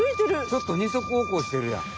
ちょっと２足歩行してるやん。